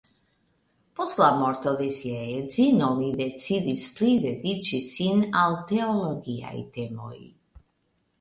Post la morto de sia edzino li decidis pli dediĉi sin al teologiaj temoj.